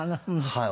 はい。